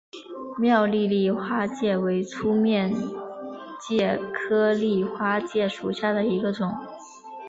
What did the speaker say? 苗栗丽花介为粗面介科丽花介属下的一个种。